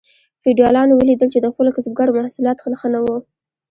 فیوډالانو ولیدل چې د خپلو کسبګرو محصولات ښه نه وو.